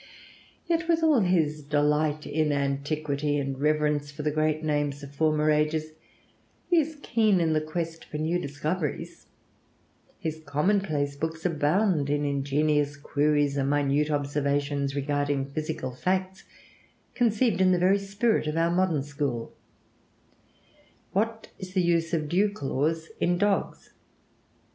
Yet with all his delight in antiquity and reverence for the great names of former ages, he is keen in the quest for new discoveries. His commonplace books abound in ingenious queries and minute observations regarding physical facts, conceived in the very spirit of our modern school: "What is the use of dew claws in dogs?"